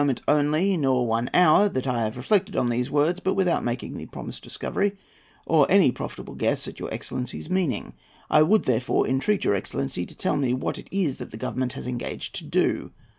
It is not one moment only nor one hour that I have reflected on these words, but without making the promised discovery, or any probable guess at your excellency's meaning. I would therefore entreat your excellency to tell me what it is that the Government has engaged to do.